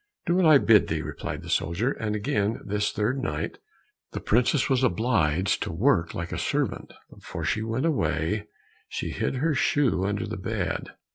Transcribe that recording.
"Do what I bid thee," replied the soldier, and again this third night the princess was obliged to work like a servant, but before she went away, she hid her shoe under the bed.